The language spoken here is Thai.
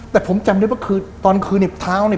แต่ผมจำได้ว่าคือตอนคืนในท้าอนี่